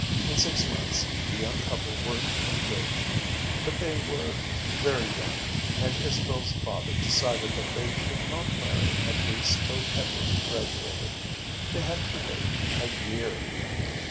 In six months the young couple were engaged. But they were very young and Isabel's father decided that they should not marry at least till Edward graduated. They had to wait a year.